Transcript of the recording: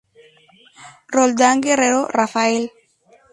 Roldán Guerrero, Rafael.